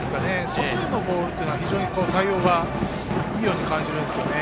外へのボールは対応がいいように感じるんですね。